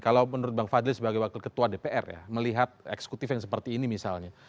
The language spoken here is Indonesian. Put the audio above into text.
kalau menurut bang fadli sebagai wakil ketua dpr ya melihat eksekutif yang seperti ini misalnya